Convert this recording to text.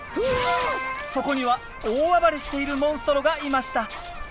そこには大暴れしているモンストロがいました。